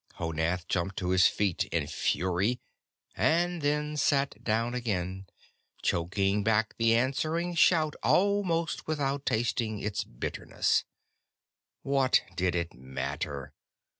Honath jumped to his feet in fury, and then sat down again, choking back the answering shout almost without tasting its bitterness. What did it matter?